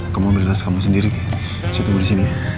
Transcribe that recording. kamu ambil tas kamu sendiri saya tunggu disini ya